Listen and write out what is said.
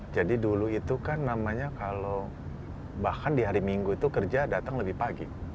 jadi dulu itu kan namanya kalau bahkan di hari minggu itu kerja datang lebih pagi